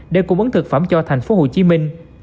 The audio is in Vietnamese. để cung bấn thực phẩm cho thành phố hồ chí minh